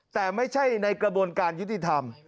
แต่ไม่ใช่ในกระบวนการยุติธรรม